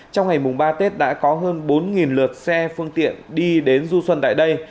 trong ngày mùng ba tết đã có hơn bốn lượt xe phương tiện đi đến du xuân tại đây